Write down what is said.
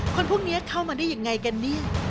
คนพวกนี้เข้ามาได้ยังไงกันเนี่ย